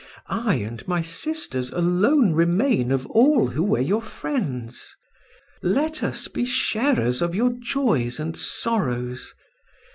I and my sisters alone remain of all who were your friends. Let us be sharers of your joys and sorrows.